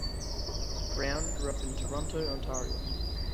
Brown grew up in Toronto, Ontario.